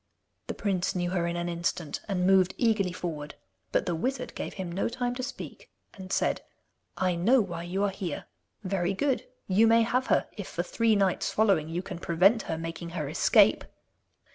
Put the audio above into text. The prince knew her in an instant, and moved eagerly forward; but the wizard gave him no time to speak, and said: 'I know why you are here. Very good; you may have her if for three nights following you can prevent her making her escape.